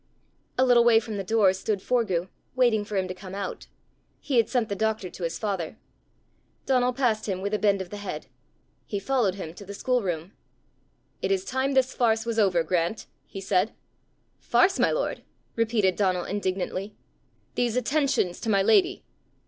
A little way from the door stood Forgue, waiting for him to come out. He had sent the doctor to his father. Donal passed him with a bend of the head. He followed him to the schoolroom. "It is time this farce was over, Grant!" he said. "Farce, my lord!" repeated Donal indignantly. "These attentions to my lady."